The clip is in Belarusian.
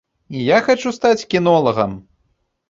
Я хачу стаць кінолагам.